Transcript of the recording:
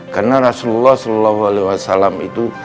karena rasulullah saw itu